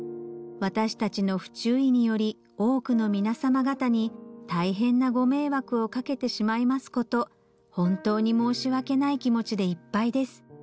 「私たちの不注意により多くの皆様方に大変なご迷惑をかけてしまいます事本当に申し訳ない気持ちでいっぱいです」